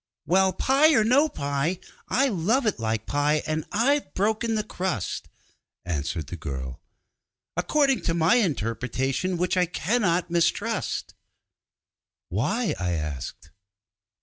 'Well, pie or no pie, I love it like pie, and I've broken the crust,' answered the girl, 'according to my interpretation, which I cannot mistrust.' 'Why?' I asked.